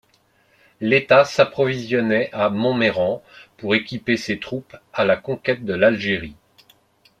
L’État s’approvisionnait à Montmeyran pour équiper ses troupes à la conquête de l’Algérie.